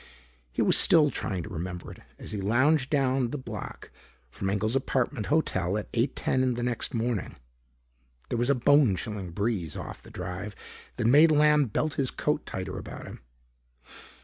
He was still trying to remember it as he lounged down the block from Engel's apartment hotel at 8:10 the next morning. There was a bone chilling breeze off the Drive that made Lamb belt his coat tighter about him.